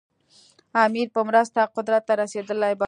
امیر په مرسته قدرت ته رسېدلی باله.